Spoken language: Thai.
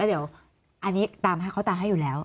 แล้วเดี๋ยวอันนี้เขาตามให้อยู่แล้ว